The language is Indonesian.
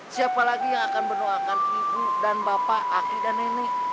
siapa lagi yang akan mendoakan ibu dan bapak aki dan nenek